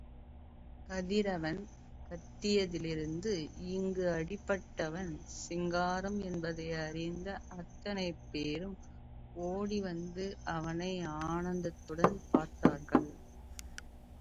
சந்திரன் கத்தியதிலிருந்து, இங்கே அடிபட்டவன் சிங்காரம் என்பதை அறிந்த அத்தனை பேரும் ஓடி வந்து அவனை ஆனந்தத்துடன் பார்த்தார்கள்.